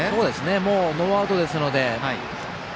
もうノーアウトですので。